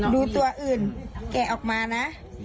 ดูตัวอื่นแกะออกมานะ